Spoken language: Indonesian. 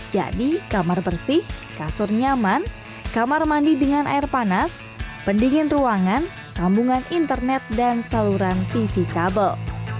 jadi kamar bersih kasur nyaman kamar mandi dengan air panas pendingin ruangan sambungan internet dan saluran tv kabel